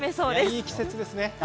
いい季節ですね！